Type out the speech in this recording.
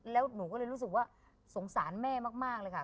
แล้วหนูก็เลยรู้สึกว่าสงสารแม่มากเลยค่ะ